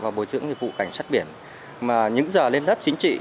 và bộ trưởng nhiệm vụ cảnh sát biển những giờ lên lớp chính trị